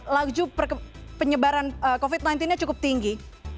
laju penyebaran covid sembilan belas nya cukup tinggi